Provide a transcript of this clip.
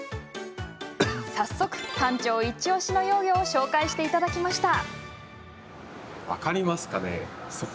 早速、館長イチおしの幼魚を紹介していただきました。